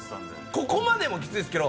ここまでもキツいですけど。